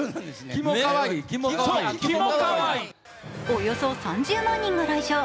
およそ３０万人が来場。